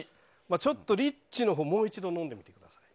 ちょっとリッチのほうもう一度飲んでみてください。